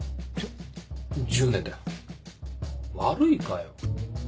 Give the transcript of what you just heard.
１０年だよ悪いかよ。